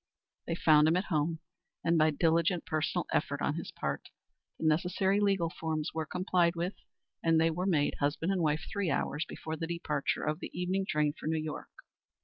They found him at home, and by diligent personal effort on his part the necessary legal forms were complied with and they were made husband and wife three hours before the departure of the evening train for New York.